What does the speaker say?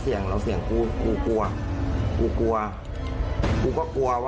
เอออ่เหล่าเสียงกูเรากลัว